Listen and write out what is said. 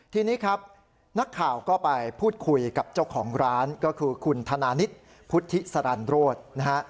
ทีนี้ครับนักข่าวก็ไปพูดคุยกับเจ้าของร้านก็คือคุณธนานิษฐ์พุทธิสรรโรธนะฮะ